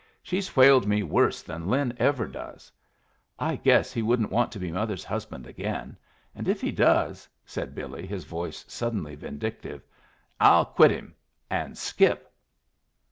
She's whaled me worse than Lin ever does. I guess he wouldn't want to be mother's husband again, and if he does," said Billy, his voice suddenly vindictive, "I'll quit him and skip."